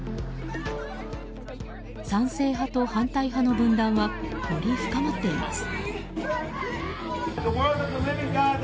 賛成派と反対派の分断はより深まっています。